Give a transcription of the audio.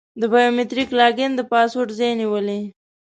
د بایو میتریک لاګین د پاسورډ ځای نیولی.